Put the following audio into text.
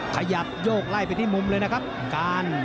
ขยับโยกไล่ไปที่มุมเลยนะครับการ